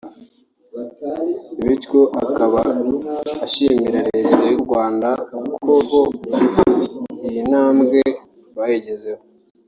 bityo akaba ashimira leta y’u Rwanda kuko bo iyi ntambwe bayigezeho